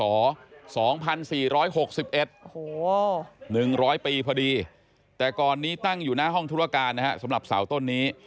โอ้โห๑๐๐ปีพอดีแต่ก่อนนี้ตั้งอยู่หน้าห้องธุรการนะฮะสำหรับเสาต้นนี้